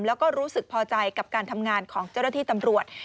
แล้วก็รู้สึกพอใจกับการทำงานของเจ้าหน้าที่ตำรวจ